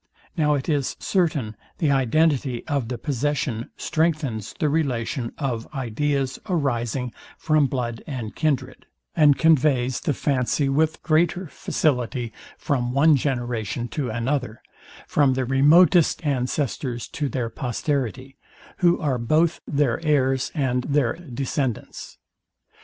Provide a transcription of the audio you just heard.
Now it is certain the identity of the possesion strengthens the relation of ideas arising from blood and kindred, and conveys the fancy with greater facility from one generation to another, from the remote ancestors to their posterity, who are both their heirs and their descendants.